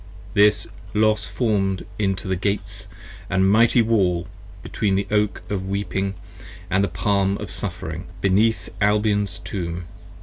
5 This Los formed into the Gates & mighty Wall, between the Oak Of Weeping & the Palm of Suffering, beneath Albion's Tomb.